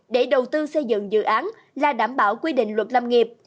để đầu tư xây dựng dự án là đảm bảo quy định luật lâm nghiệp